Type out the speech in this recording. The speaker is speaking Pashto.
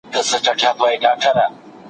ایا لوی صادروونکي بادام پلوري؟